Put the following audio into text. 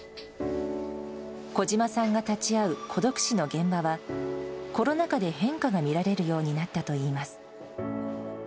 小島さんが立ち会う孤独死の現場は、コロナ禍で変化が見られるようになったといいます。